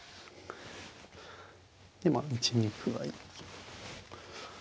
でまあ１二歩が。